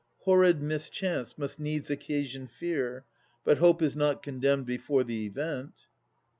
Horrid mischance must needs occasion fear. But Hope is not condemned before the event.